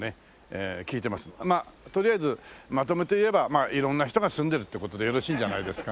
まあとりあえずまとめて言えばいろんな人が住んでるって事でよろしいんじゃないですか。